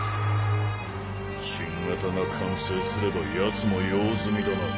新型が完成すれば奴も用済みだな。